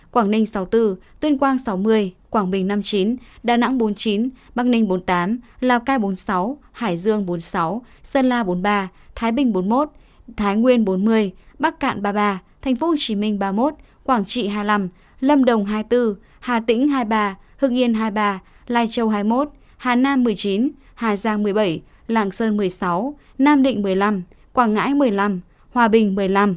quảng ninh sáu mươi bốn tuyên quang sáu mươi quảng bình năm mươi chín đà nẵng bốn mươi chín bắc ninh bốn mươi tám lào cai bốn mươi sáu hải dương bốn mươi sáu sơn la bốn mươi ba thái bình bốn mươi một thái nguyên bốn mươi bắc cạn ba mươi ba thành phố hồ chí minh ba mươi một quảng trị hai mươi năm lâm đồng hai mươi bốn hà tĩnh hai mươi ba hương yên hai mươi ba lai châu hai mươi một hà nam một mươi chín hà giang một mươi bảy lạng sơn một mươi sáu nam định một mươi năm quảng ngãi một mươi năm hòa bình một mươi năm